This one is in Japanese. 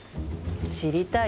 知りたい？